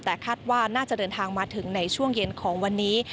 แต่คาดว่าน่าจะเดินทางมาถึงในช่วงเย็นของวันนี้